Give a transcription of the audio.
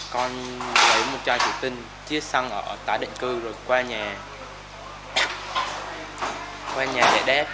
con lấy một chai trù tinh chiếc xăng ở tả định cư rồi qua nhà để đép